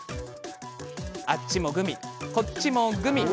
あっちもグミ、こっちもグミ。